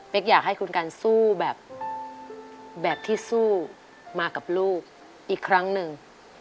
เป็นอยากให้คุณกันสู้แบบที่สู้มากับลูกอีกครั้งหนึ่ง